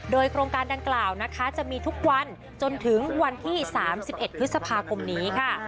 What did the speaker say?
โดยโครงการดังกล่าวนะคะจะมีทุกวันจนถึงวันที่๓๑พฤษภาคมนี้ค่ะ